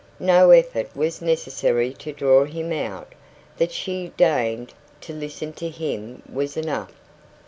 No effort was necessary to draw him out; that she deigned to listen to him was enough.